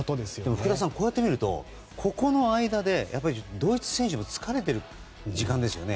福田さん、こうやってみるとこの間でドイツ選手が疲れている時間ですよね。